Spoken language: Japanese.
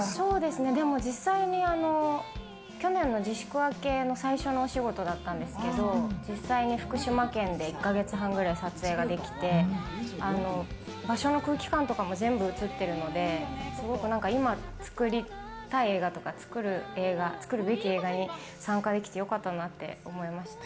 実際に去年の自粛明けの最初のお仕事だったんですが、福島県で１か月間くらい撮影ができて、場所の空気感とか全部映っているので、今作りたい映画とか、作るべき映画に参加できてよかったなぁって思いました。